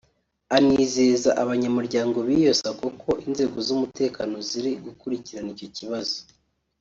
Anizeza abanyamuryango b’iyo Sacco ko inzego z’umutekano ziri gukurikirana icyo kibazo